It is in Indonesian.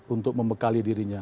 untuk membekali dirinya